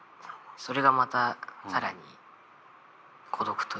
それがまた更に孤独というか。